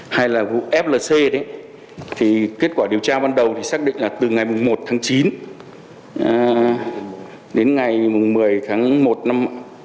hay là vụ flc đấy thì kết quả điều tra ban đầu thì xác định là từ ngày một tháng chín đến ngày một mươi tháng một năm hai nghìn một mươi chín